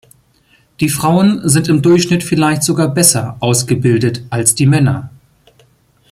Die Frauen sind im Durchschnitt vielleicht sogar besser ausgebildet als die Männer.